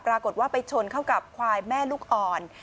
ปรากฏว่าไปชนเข้ากับควายแม่ลูกอ่อน